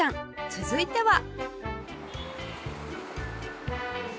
続いては